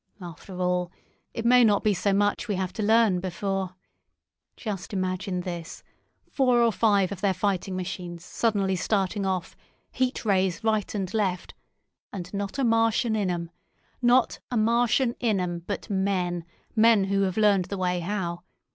"After all, it may not be so much we may have to learn before—Just imagine this: four or five of their fighting machines suddenly starting off—Heat Rays right and left, and not a Martian in 'em. Not a Martian in 'em, but men—men who have learned the way how.